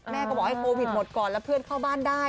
แม่ก็บอกให้โควิดหมดก่อนแล้วเพื่อนเข้าบ้านได้